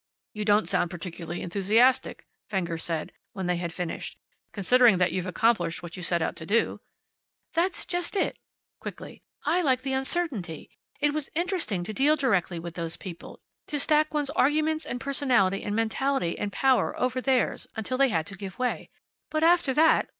"You don't sound particularly enthusiastic," Fenger said, when they had finished, "considering that you've accomplished what you set out to do." "That's just it," quickly. "I like the uncertainty. It was interesting to deal directly with those people, to stack one's arguments, and personality, and mentality and power over theirs, until they had to give way. But after that!